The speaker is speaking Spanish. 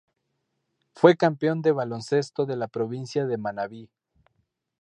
Fue campeón de baloncesto de la Provincia de Manabí.